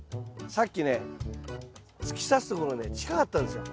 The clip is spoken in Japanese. さっきね突き刺すところね近かったんですよ。